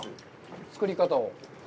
作り方を。